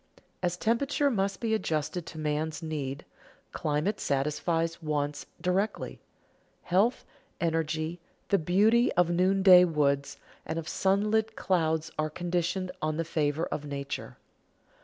As temperature must be adjusted to man's need, climate satisfies wants directly. Health, energy, the beauty of noonday woods and of sunlit clouds are conditioned on the favor of nature.